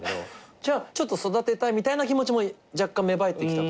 じゃあちょっと育てたいみたいな気持ちも若干芽生えてきたと。